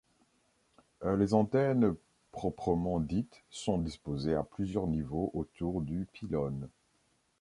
Les antennes proprement dites sont disposées à plusieurs niveaux autour du pylône.